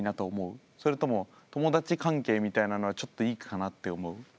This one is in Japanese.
それとも友達関係みたいなのはちょっといいかなって思う？